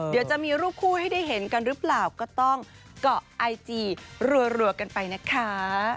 เดี๋ยวจะมีรูปคู่ให้ได้เห็นกันหรือเปล่าก็ต้องเกาะไอจีรัวกันไปนะคะ